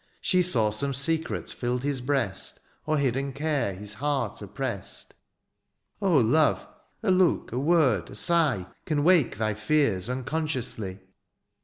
She saw some secret filled his breast Or hidden care his heart oppressed. Oh love ! a look, a word, a sigh 28 DIONYSIUS, Can wake thy fears unconciously.